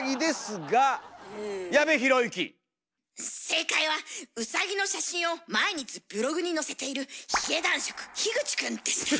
正解はウサギの写真を毎日ブログに載せている髭男爵ひぐち君でした。